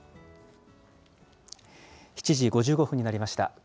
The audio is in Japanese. ７時５５分になりました。